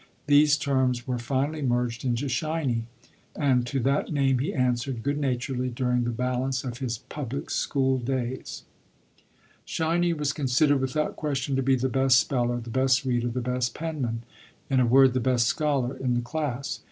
These terms were finally merged into "Shiny," and to that name he answered good naturedly during the balance of his public school days. "Shiny" was considered without question to be the best speller, the best reader, the best penman in a word, the best scholar, in the class.